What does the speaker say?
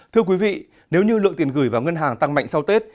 thưa quý vị nếu như lượng tiền gửi vào ngân hàng tăng mạnh sau tết